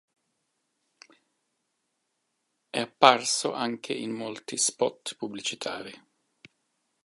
È apparso anche in molti spot pubblicitari.